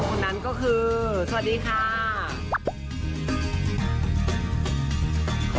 คนนั้นก็คือสวัสดีค่ะ